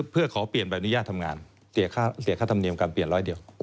เพื่อขอเปลี่ยนใบอนุญาตทำงานเสียค่าธรรมเนียมการเปลี่ยนร้อยเดียว